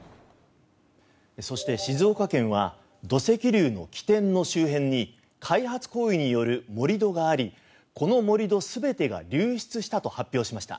そして、静岡県は土石流の起点の周辺に開発行為による盛り土がありこの盛り土全てが流出したと発表しました。